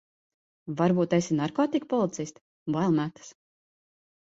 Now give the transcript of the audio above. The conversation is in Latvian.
Varbūt esi narkotiku policiste, bail metas.